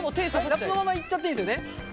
ラップのままいっちゃっていいですよね。